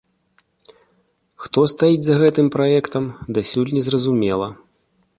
Хто стаіць за гэтым праектам, дасюль не зразумела.